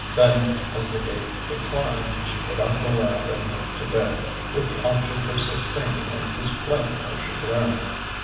Then, as the day declined, she put out the lamp and went to bed, with the object of sustaining and displaying her chagrin.